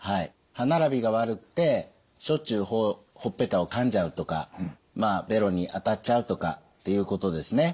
歯並びが悪くてしょっちゅうほっぺたをかんじゃうとかべろに当たっちゃうとかっていうことですね。